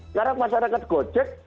sekarang masyarakat gojek